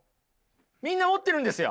みんな持ってるんですよ。